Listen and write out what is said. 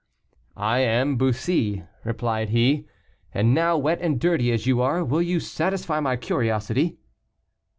"I am Bussy," replied he. "And now, wet and dirty as you are, will you satisfy my curiosity?"